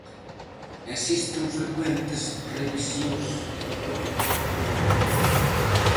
Existen frecuentes revisións do protocolo con Holanda.